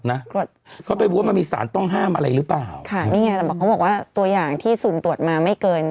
ห้ามอะไรหรือเปล่าค่ะนี่ไงแต่เขาบอกว่าตัวอย่างที่สูงตรวจมาไม่เกิน